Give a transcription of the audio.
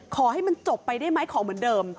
ขอให้มันจบไปได้ไหมขอเหมือนเดิม